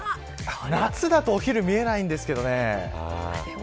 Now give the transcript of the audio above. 夏だとお昼見えないんですけどね。